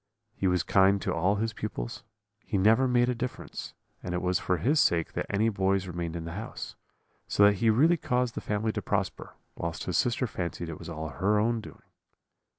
He was kind to all his pupils; he never made a difference: and it was for his sake that any boys remained in the house; so that he really caused the family to prosper, whilst his sister fancied it was all her own doing.